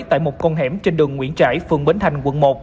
tại một con hẻm trên đường nguyễn trãi phường bến thành quận một